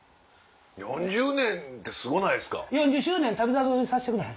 ４０年ってすごないですか？